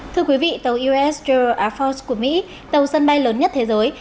tàu us general air force của mỹ tàu sân bay lớn nhất thế giới